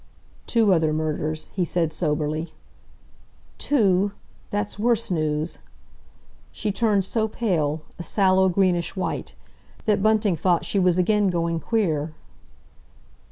"Two other murders," he said soberly. "Two? That's worse news!" She turned so pale—a sallow greenish white—that Bunting thought she was again going queer.